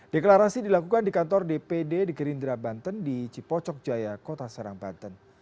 deklarasi dilakukan di kantor dpd di gerindra banten di cipocok jaya kota serang banten